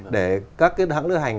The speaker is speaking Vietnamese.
để các hãng lưu hành